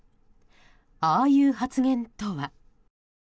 ああいう発言とは。